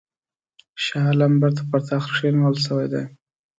شاه عالم بیرته پر تخت کښېنول سوی دی.